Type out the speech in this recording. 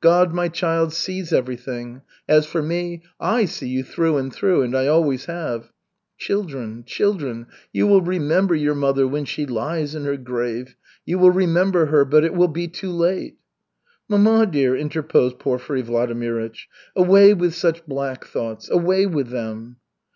God, my child, sees everything. As for me, I see you through and through, and I always have. Children, children, you will remember your mother when she lies in her grave. You will remember her, but it will be too late." "Mamma dear!" interposed Porfiry Vladimirych. "Away with such black thoughts, away with them!"